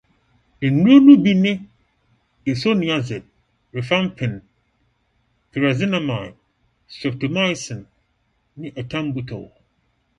Nnuru no bi ne isoniazid, rifampin, pyrazinamide, streptomycin, ne ethambutol.